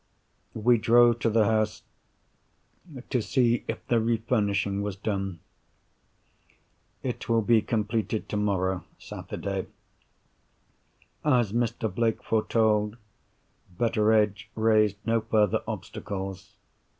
We drove to the house to see if the refurnishing was done. It will be completed tomorrow—Saturday. As Mr. Blake foretold, Betteredge raised no further obstacles.